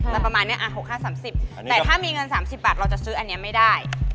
แต่ประมาณนี้๖๕๓๐แต่ถ้ามีเงิน๓๐บาทเราจะซื้ออันนี้ไม่ได้